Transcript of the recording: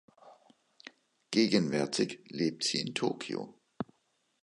Gegenwärtig lebt sie in Tokio.